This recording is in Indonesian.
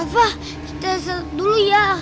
rafa kita selesai dulu ya